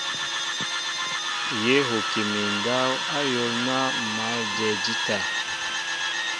Yé huki mi ndáw áyól ná ḿ mǎl a jɛɛ ndíta.